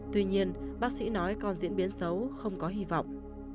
tuy nhiên bác sĩ nói còn diễn biến xấu không có hy vọng